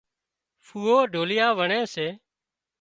ڦوئو ڍوليا وڻي سي